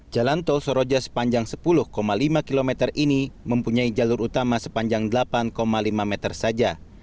jalan tol soroja sepanjang sepuluh lima km ini mempunyai jalur utama sepanjang delapan lima meter saja